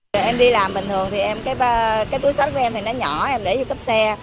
cái túi sách của em thì nó nhỏ em để vô cấp xe